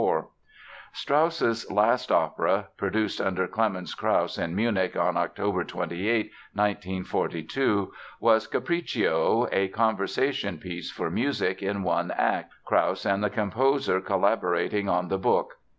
Strauss's last opera (produced under Clemens Krauss in Munich on October 28, 1942), was Capriccio, "a conversation piece for music", in one act. Krauss and the composer collaborating on the book.